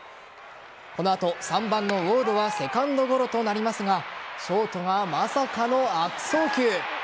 この後、３番ウォードはセカンドゴロとなりますがショートがまさかの悪送球。